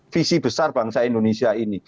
visi besar bangsa indonesia ini